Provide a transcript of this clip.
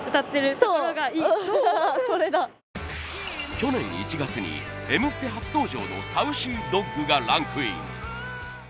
去年１月に『Ｍステ』初登場のＳａｕｃｙＤｏｇがランクイン。